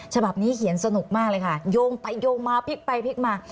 ฉบับนี้เขียนสนุกมากเลยค่ะโยงไปโยงมาพลิกไปพลิกมา